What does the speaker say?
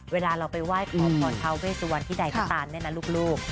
เวลาเราไปไหว้ขอพรทาเวสวันที่ใดก็ตามเนี่ยนะลูก